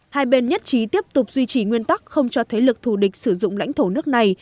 hai bên nhất trí tiếp tục duy trì nguyên tắc không cho thế lực thù địch sử dụng lãnh thổ nước này